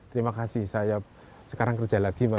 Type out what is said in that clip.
terima kasih saya sekarang kerja lagi